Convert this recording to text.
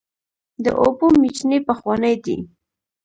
د اوبو میچنې پخوانۍ دي.